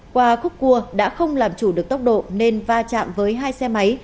qua khúc cua đã không làm chủ được tốc độ nên va chạm với hai xe máy